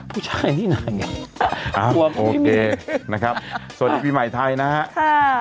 ผู้ชายนี่น่ะหัวผมนี่นะครับสวัสดีพี่หมายไทยนะครับ